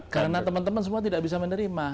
karena teman teman semua tidak bisa menerima